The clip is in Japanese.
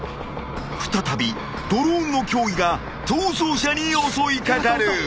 ［再びドローンの脅威が逃走者に襲い掛かる］